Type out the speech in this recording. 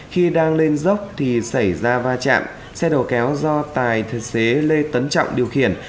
khi đang lên dốc thì xảy ra va chạm xe đầu kéo do tài xế lê tấn trọng điều khiển